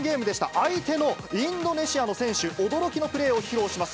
相手のインドネシアの選手、驚きのプレーを披露します。